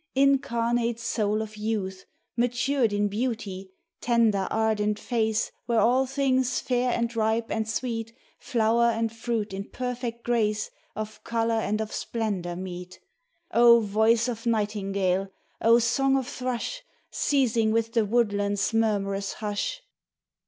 Incarnate soul of youth Matured in beauty, tender ardent face Where all things fair and ripe and sweet, Flower and fruit in perfect grace Of colour and of splendour, meet. O voice of nightingale, O song of thrush Ceasing within the woodlands' murmurous hush